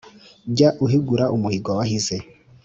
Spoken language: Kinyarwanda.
jya uhigura umuhigo wahize